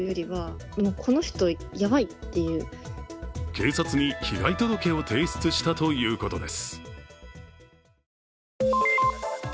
警察に被害届を提出したということです。